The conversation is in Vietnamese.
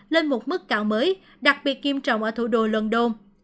lên một mức cao mới đặc biệt nghiêm trọng ở thủ đô london